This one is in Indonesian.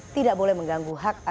tidak boleh mengganggu hak